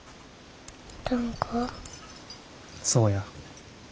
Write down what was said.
そうや。